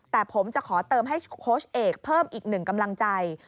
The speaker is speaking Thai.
แต่ผมจะขอเติมให้โค้ชเอกเพิ่มอีกหนึ่งกำลังใจ